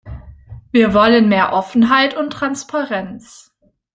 Wir wollen mehr Offenheit und Transparenz.